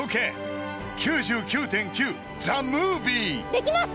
できます！